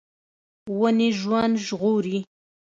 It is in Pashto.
ونې ژوند ژغوري.